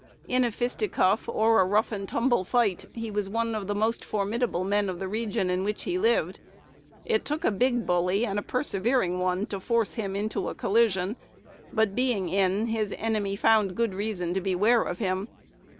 In a fisticuff or a rough and tumble fight, he was one of the most formidable men of the region in which he lived. It took a big bully, and a persevering one, to force him into a collision; but, being in, his enemy found good reason to beware of him.